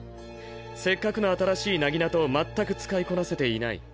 せっかくの新しい薙刀を全く使いこなせていない。